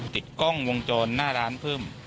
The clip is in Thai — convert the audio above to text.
ติดกล้องวงจรหน้าร้านเพิ่ม